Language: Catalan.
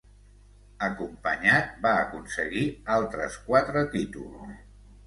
Acompanyat, va aconseguir altres quatre títols.